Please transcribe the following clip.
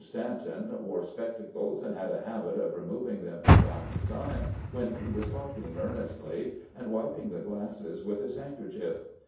Stanton wore spectacles, and had a habit of re moving them from time to time when he was talking earnestly, and wiping the glasses with his handkerchief.